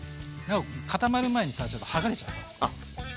固まる前にさちょっと剥がれちゃうから。